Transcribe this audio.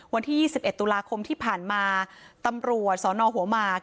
วันที่๒๑ตุลาคมที่ผ่านมาตำรวจสนหัวหมาก